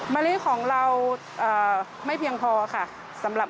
มะลิของเราไม่เพียงพอค่ะ